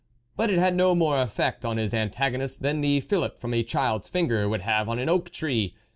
But it had no more effect on his an tagonist than the fillip from a child's finger would have on an oak tree.